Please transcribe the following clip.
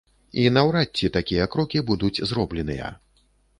І наўрад ці такія крокі будуць зробленыя.